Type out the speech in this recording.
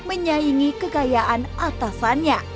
menyaingi kekayaan atasannya